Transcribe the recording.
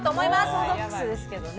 オーソドックスですけどね。